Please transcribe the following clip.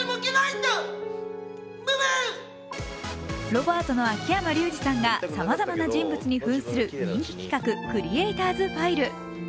ロバートの秋山竜次さんがさまざまな人物にふんする人気企画クリエイターズ・ファイル。